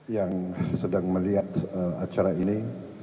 yang sedang melihat acara ini